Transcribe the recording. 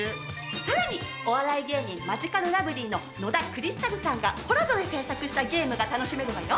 さらにお笑い芸人マヂカルラブリーの野田クリスタルさんがコラボで制作したゲームが楽しめるのよ。